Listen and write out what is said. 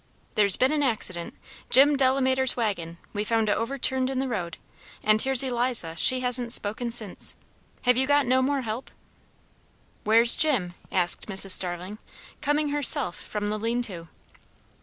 "There's been an accident Jim Delamater's waggon we found it overturned in the road; and here's Eliza, she hasn't spoke since. Have you got no more help?" "Where's Jim?" asked Mrs. Starling, coming herself from the lean to.